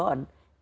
pada saat ramadhan